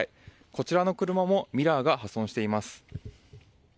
こちらの車もミラーが破損しています。